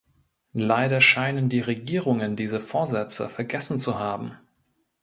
Leider scheinen die Regierungen diese Vorsätze vergessen zu haben.